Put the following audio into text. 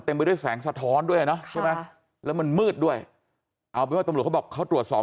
เต็มไปด้วยแสงสะท้อนด้วยและมันมืดด้วยบอกเขาตรวจสอน